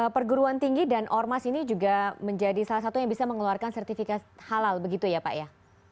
perguruan tinggi dan ormas ini juga menjadi salah satu yang bisa mengeluarkan sertifikat halal begitu ya pak ya